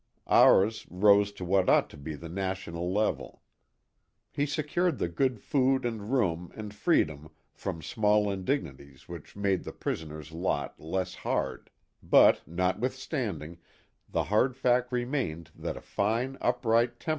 Ours rose to what ought to be the national level. He secured the good food and room and freedom from small indignities which made the prisoner's lot less hard ; but notwithstanding, the hard fact remained that a fine, upright, tern THE HAT OF THE POSTMASTER.